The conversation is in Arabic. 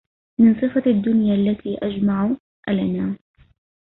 من صفة الدنيا التي أجمع النا